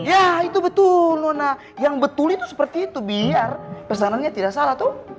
ya itu betul nah yang betul itu seperti itu biar pesanannya tidak salah tuh